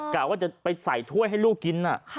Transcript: กะว่าจะไปใส่ถ้วยให้ลูกกิน